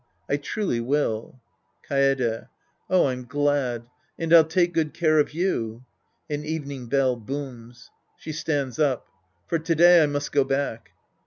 I truly will. Kaede. Oh, I'm glad. And I'll take good care of you. {An evening bell booms. She stands up.') For to day, I must go back.